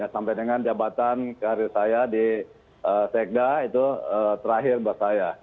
sampai dengan jabatan karir saya di sekda itu terakhir buat saya